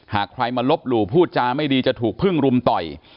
หากใครมาลบหลู่พูดจาไม่ดีจะถูกพึ่งรุมต่อย